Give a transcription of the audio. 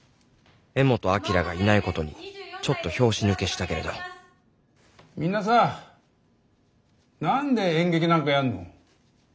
柄本明がいないことにちょっと拍子抜けしたけれどみんなさ何で演劇なんかやんの？